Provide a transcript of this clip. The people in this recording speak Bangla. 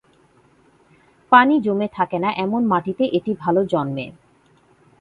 পানি জমে থাকেনা এমন মাটিতে এটি ভাল জন্মে।